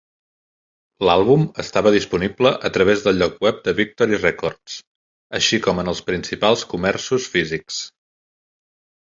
L'àlbum estava disponible a través del lloc web de Victory Records, així com en els principals comerços físics.